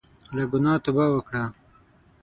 له ګناه توبه وکړه.